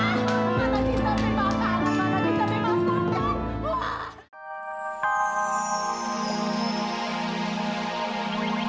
ikan makanannya dalam guer powinta bimawan